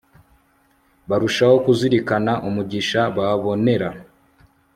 barushaho kuzirikana umugisha babonera